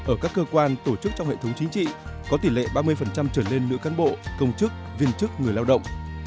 ở các cơ quan tổ chức trong hệ thống chính trị có tỷ lệ ba mươi trở lên nữ cán bộ công chức viên chức người lao động